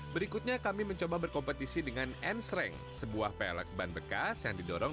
berikutnya kami mencoba berkompetisi dengan n sreng sebuah pelek ban bekas yang didorong